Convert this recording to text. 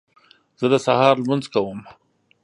زه د سهار لمونځ کوم